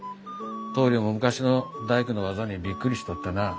棟りょうも昔の大工の技にびっくりしとったなあ。